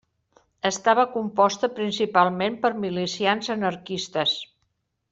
Estava composta principalment per milicians anarquistes.